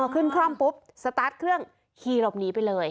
อ๋อขึ้นคล่อมปุ๊บสตาร์ทเครื่องคีย์ลบหนีไปเลย